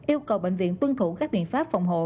yêu cầu bệnh viện tuân thủ các biện pháp phòng hộ